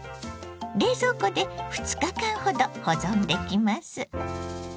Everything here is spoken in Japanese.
冷蔵庫で２日間ほど保存できます。